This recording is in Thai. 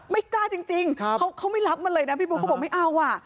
ไม่กล้าจริงเขาไม่รับมันเลยนะพี่บุ๊คเขาบอกไม่เอาอ่ะ